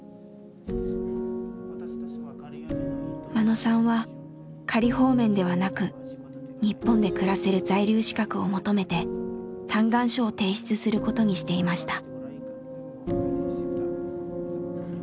眞野さんは仮放免ではなく日本で暮らせる在留資格を求めて嘆願書を提出することにしていました。